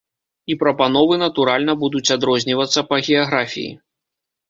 І прапановы, натуральна, будуць адрознівацца па геаграфіі.